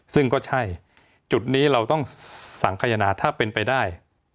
ซึ่งก็ใช่จุดนี้เราต้องสังขยนาถ้าเป็นไปได้